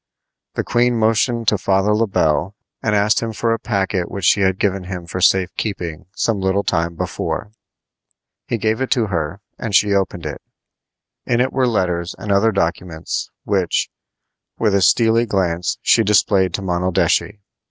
The queen motioned to Father Le Bel and asked him for a packet which she had given him for safe keeping some little time before. He gave it to her, and she opened it. In it were letters and other documents, which, with a steely glance, she displayed to Monaldeschi.